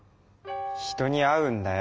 人に会うんだよ！